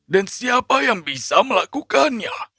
dan siapa yang bisa melakukannya